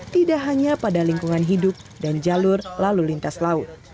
tidak hanya pada lingkungan hidup dan jalur lalu lintas laut